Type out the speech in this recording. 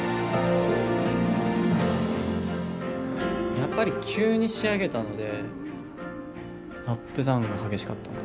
やっぱり急に仕上げたのでアップダウンが激しかったのかなと。